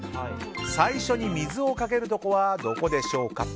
最初に水をかけるところはどこでしょうか？